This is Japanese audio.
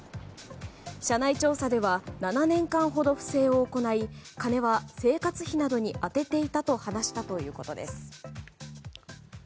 社内調査では７年間ほど不正を行い金は生活費などに充てていたと話したということです。